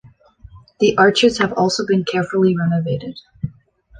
The arches have also been carefully renovated.